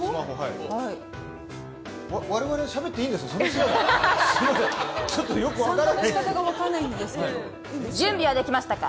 われわれはしゃべっていいんですか。